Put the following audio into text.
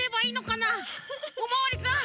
おまわりさん？